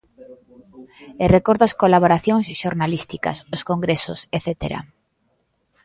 E recordo as colaboracións xornalísticas, os congresos etcétera.